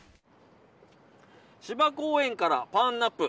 芝公園からパンアップ。